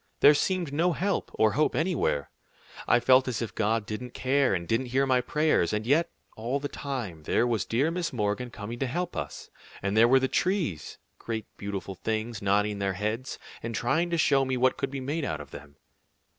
"There seemed no help or hope anywhere. I felt as if God didn't care and didn't hear my prayers; and yet, all the time, there was dear Miss Morgan coming to help us, and there were the trees, great beautiful things, nodding their heads, and trying to show me what could be made out of them.